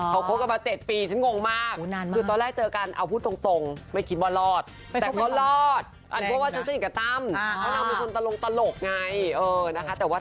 เขาคบกันมา๗ปีฉันงงมาก